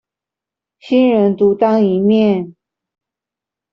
新人獨當一面